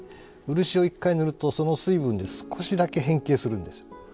漆を一回塗るとその水分で少しだけ変形するんです。